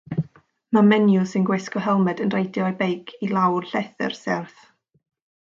Mae menyw sy'n gwisgo helmed yn reidio ei beic i lawr llethr serth.